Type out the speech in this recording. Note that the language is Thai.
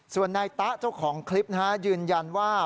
ส่วนนายตะเจ้าของคลิปยืนยันว่า